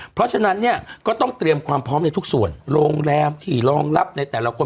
เพราะฉะนั้นเนี่ยก็ต้องเตรียมความพร้อมในทุกส่วนโรงแรมที่รองรับในแต่ละคน